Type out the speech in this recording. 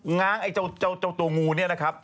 ง้างเจ้าตัวงูนี่นะครับ